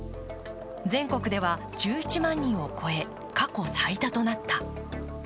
全国では１１万人を超え過去最多となった。